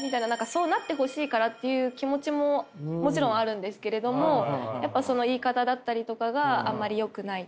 そうなってほしいからっていう気持ちももちろんあるんですけれどもやっぱその言い方だったりとかがあんまりよくないっていう。